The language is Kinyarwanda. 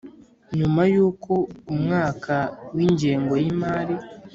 Nyuma Y Uko Umwaka W Ingengo Y Imari